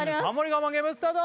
我慢ゲームスタート！